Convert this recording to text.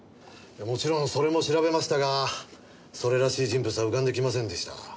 もちろんそれも調べましたがそれらしい人物は浮かんできませんでした。